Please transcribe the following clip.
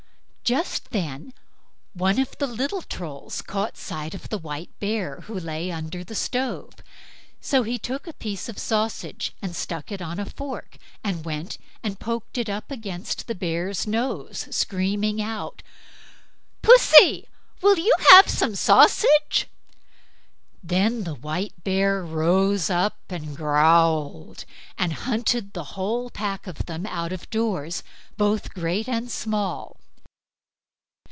Just then one of the little Trolls caught sight of the white bear, who lay under the stove; so he took a piece of sausage and stuck it on a fork, and went and poked it up against the bear's nose, screaming out: "Pussy, will you have some sausage?" Then the white bear rose up and growled, and hunted the whole pack of them out of doors, both great and small.